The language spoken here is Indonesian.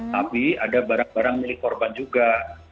tapi ada barang barang milik korban juga